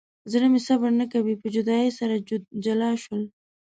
زړه مې صبر نه کوي په جدایۍ سره جلا شول.